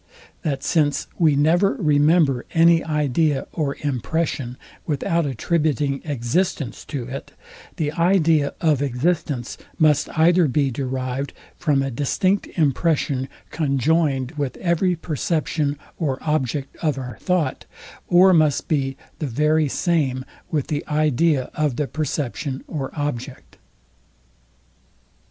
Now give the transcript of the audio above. that since we never remember any idea or impression without attributing existence to it, the idea of existence must either be derived from a distinct impression, conjoined with every perception or object of our thought, or must be the very same with the idea of the perception or object.